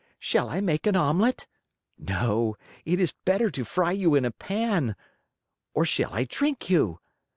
Shall I make an omelet? No, it is better to fry you in a pan! Or shall I drink you?